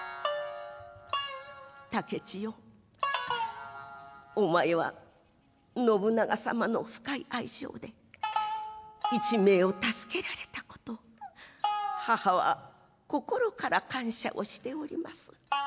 「竹千代お前は信長様の深い愛情で一命を救けられた事母は心から感謝をしております。